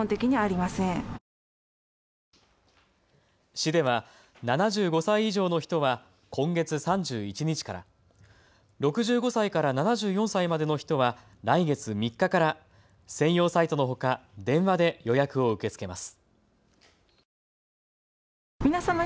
市では、７５歳以上の人は今月３１日から、６５歳から７４歳までの人は来月３日から専用サイトのほか電話で予約を受け付けます。